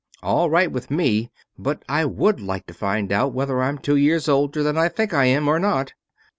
"All right with me. But I would like to find out whether I'm two years older than I think I am, or not!"